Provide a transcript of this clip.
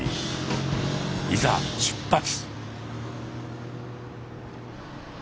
いざ出発。